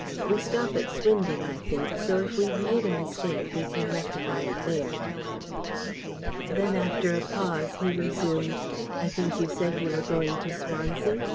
We stop at Swindon, I think, so if we've made a mistake we can rectify it there." Then after a pause he resumed: "I think you said you were going to Swansea?